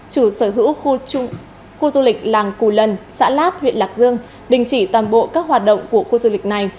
chủ sở hữu khu du lịch làng cù lần xã lát huyện lạc dương đình chỉ toàn bộ các hoạt động của khu du lịch này